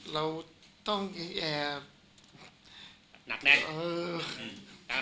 แล้วพวกคนไข้เทียบเหมือนกับทุกคนกลับไปแล้วก็ให้ไปเจอค่าหรือเจอคนมาพูดให้ฟัง